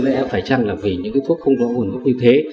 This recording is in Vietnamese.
và vì có lẽ phải chăng là vì những thuốc không rõ nguồn gốc như thế